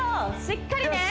しっかりね